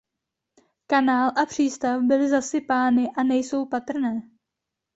Kanál a přístav byly zasypány a nejsou patrné.